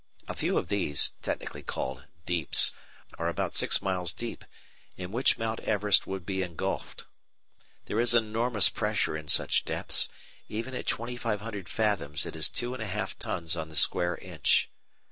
A few of these, technically called "deeps," are about six miles deep, in which Mount Everest would be engulfed. There is enormous pressure in such depths; even at 2,500 fathoms it is two and a half tons on the square inch.